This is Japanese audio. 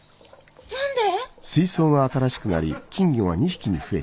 何で？